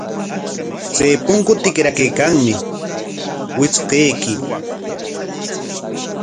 Chay punku kitrakaykanmi, witrqaykuy.